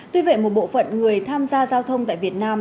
tuy vậy một bộ phận người tham gia giao thông tại việt nam